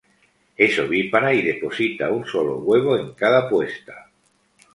Es ovípara y deposita un solo huevo en cada puesta.